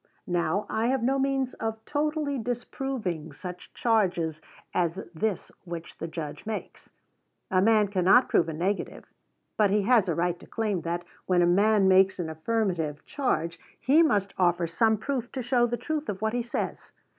Now, I have no means of totally disproving such charges as this which the Judge makes. A man cannot prove a negative; but he has a right to claim that, when a man makes an affirmative charge, he must offer some proof to show the truth of what he says.